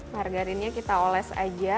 margarinnya kita oles aja